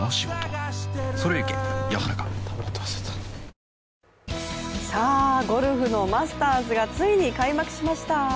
ＪＴさあ、ゴルフのマスターズがついに開幕しました！